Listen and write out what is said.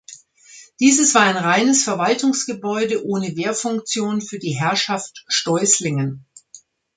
Dieses war ein reines Verwaltungsgebäude ohne Wehrfunktion für die Herrschaft Steußlingen.